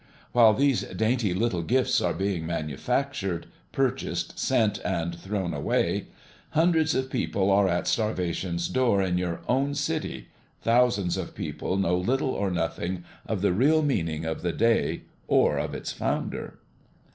While these dainty little gifts are being manufactured, purchased, sent, and thrown away, hundreds of people are at starvation's door in your own city; thousands of people know little or nothing of the real meaning of the day, or of its Founder."